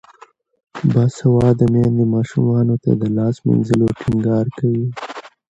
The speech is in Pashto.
باسواده میندې ماشومانو ته د لاس مینځلو ټینګار کوي.